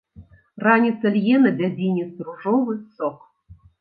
Раніца лье на дзядзінец ружовы сок.